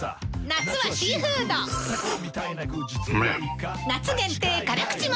夏はシーフードうふふ！